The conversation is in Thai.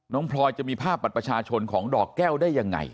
พลอยจะมีภาพบัตรประชาชนของดอกแก้วได้ยังไง